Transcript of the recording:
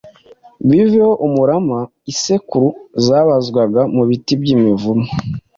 biveho umurama. Isekuru zabazwaga mu biti by’imivumu.